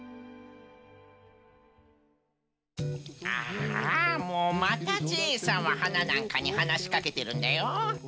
ああもうまたジェイさんははななんかにはなしかけてるんだよ。